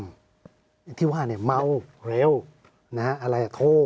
อย่างที่ว่าเมาเร็วโท